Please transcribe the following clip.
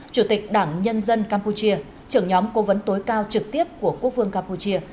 chủ tịch đảng nhân dân campuchia trưởng nhóm cố vấn tối cao trực tiếp của quốc vương campuchia